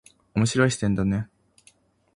面白い視点だね。